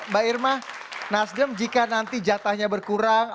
mbak irma nasdem jika nanti jatahnya berkurang